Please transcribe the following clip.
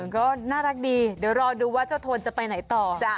ก็น่ารักดีเดี๋ยวรอดูว่าเจ้าโทนจะไปไหนต่อ